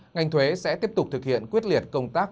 ngành thuế sẽ tiếp tục thực hiện quyết liệt công tác